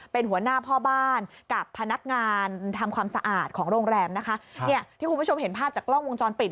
เป็นหัวหน้าพ่อบ้านกับพนักงานทำความสะอาดของโรงแรมนะคะเนี่ยที่คุณผู้ชมเห็นภาพจากกล้องวงจรปิด